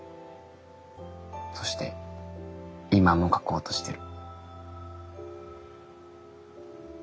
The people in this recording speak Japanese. そして今も描こうとしてる。